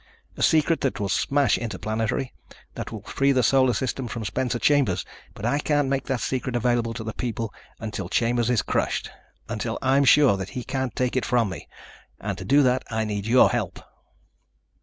A secret that will smash Interplanetary, that will free the Solar System from Spencer Chambers. But I can't make that secret available to the people until Chambers is crushed, until I'm sure that he can't take it from me. And to do that I need your help."